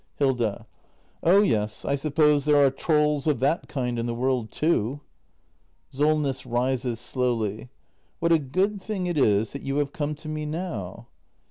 Hilda. Oh yes, I suppose there are trolls of that kind in the world, too. SOLNESS. [Rises slowly.] What a good thing it is that you have come to me now.